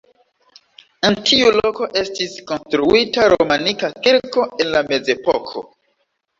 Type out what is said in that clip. En tiu loko estis konstruita romanika kirko en la mezepoko.